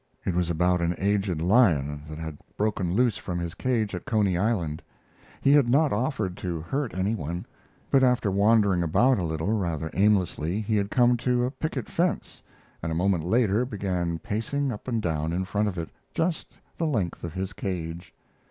It was about an aged lion that had broken loose from his cage at Coney Island. He had not offered to hurt any one; but after wandering about a little, rather aimlessly, he had come to a picket fence, and a moment later began pacing up and down in front of it, just the length of his cage.